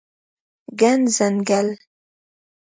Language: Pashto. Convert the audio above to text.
ګڼ ځنګل